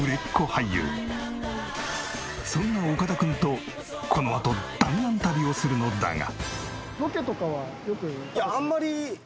そんな岡田君とこのあと弾丸旅をするのだが。